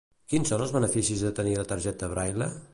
Quins són els beneficis de tenir la targeta Braille?